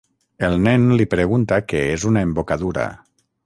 El nen li pregunta què és una embocadura.